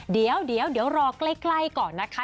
เดี๋ยวเดี๋ยวรอใกล้ก่อนนะคะ